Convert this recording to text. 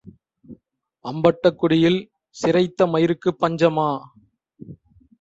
அம்பட்டக் குடியில் சிரைத்த மயிருக்குப் பஞ்சமா?